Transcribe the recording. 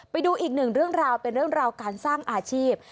ไปดูอีกหนึ่งเรื่องราวเป็นเรื่องราวการสร้างอาชีพ